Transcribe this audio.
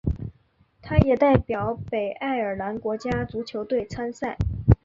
他也代表北爱尔兰国家足球队参赛。